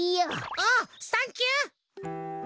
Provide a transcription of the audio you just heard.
おうサンキュー！